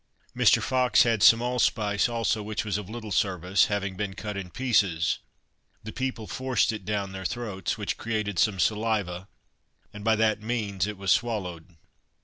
Mr. Fox had some allspice also, which was of little service; having been cut in pieces, the people forced it down their throats, which created some saliva, and by that means it was swallowed.